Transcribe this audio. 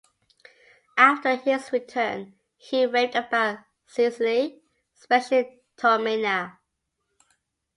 After his return he raved about Sicily, especially Taormina.